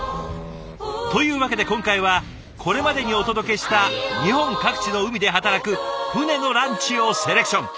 というわけで今回はこれまでにお届けした日本各地の海で働く船のランチをセレクション。